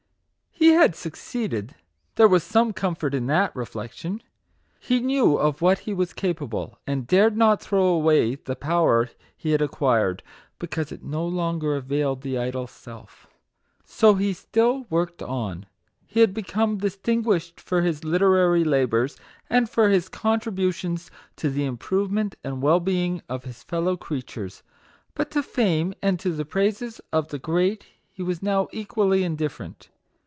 He had succeeded, there was some comfort in that reflection. He knew of what he was capable, and dared not throw away the power he had acquired, because it no longer availed the idol Self. So he still worked on. He had become distinguished for his literary labours, and for his contributions to the im provement and well being of his fellow crea tures; but to fame and to the praises of the great he was now equally indifferent.